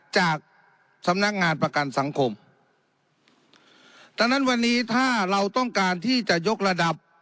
จากสำนักงานประกันสังคมฉะนั้นวันนี้ถ้าเราต้องการที่จะยกระดับ